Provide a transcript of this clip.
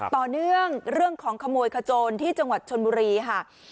ต่อเนื่องเรื่องของขโมยขโจรที่จังหวัดชนบุรีค่ะ